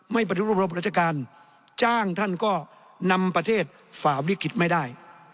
ปฏิรูประบบราชการจ้างท่านก็นำประเทศฝ่าวิกฤตไม่ได้